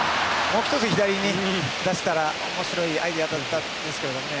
もう１つ、左に出せたら面白いアイデアだったんですけどね。